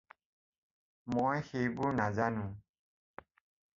মই সেইবোৰ নাজানোঁ।